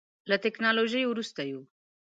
له ټکنالوژۍ وروسته یو.